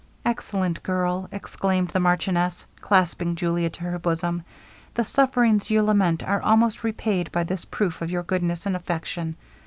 'Excellent girl!' exclaimed the marchioness, clasping Julia to her bosom; 'the sufferings you lament are almost repaid by this proof of your goodness and affection!